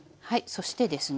そしてですね